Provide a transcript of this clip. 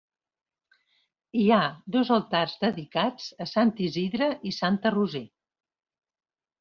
Hi ha dos altars dedicats a Sant Isidre i Santa Roser.